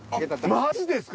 マジですか！？